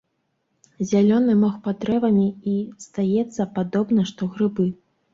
Зялёны мох пад дрэвамі і, здаецца, падобна што грыбы.